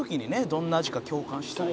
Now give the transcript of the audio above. どんな味か共感したい」